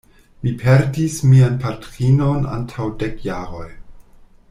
Mi perdis mian patrinon antaŭ dek jaroj.